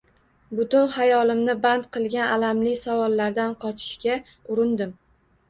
Butun xayolimni band qilgan alamli savollardan qochishga urindim.